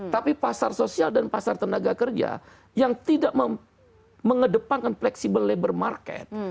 tapi pasar sosial dan pasar tenaga kerja yang tidak mengedepankan fleksibel labor market